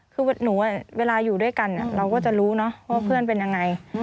คือหนูเวลาอยู่ด้วยกันเราก็จะรู้เนอะว่าเพื่อนเป็นยังไง